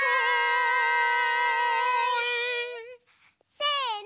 せの。